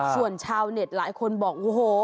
ส่วนชาวเน็ตหลายคนบอกโอ้โห